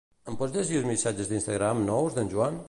Em pots llegir els missatges d'Instagram nous d'en Joan?